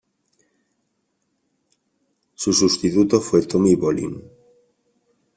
Su sustituto fue Tommy Bolin.